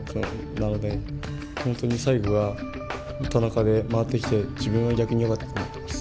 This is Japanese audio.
なので本当に最後は田中で回ってきて自分は逆によかったって思ってます。